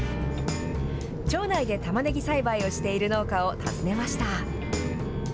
町内でたまねぎ栽培をしている農家を訪ねました。